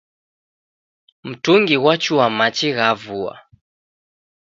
Mtungi ghwachua machi gha vua